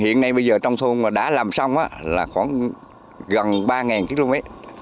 hiện nay trong thôn đã làm xong là gần ba km